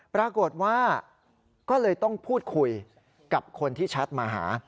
ปรากฏว่าก็เลยต้องพูดคุยกับคนที่แชทมาหา